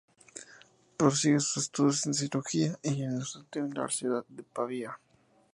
Prosigue sus estudios en Cirugía y en Obstetricia en la Universidad de Pavía.